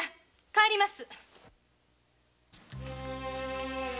帰ります。